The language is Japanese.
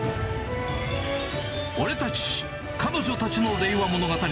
俺たち彼女たちの令和物語。